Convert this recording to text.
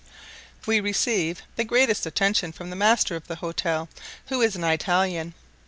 We receive the greatest attention from the master of the hotel, who is an Italian.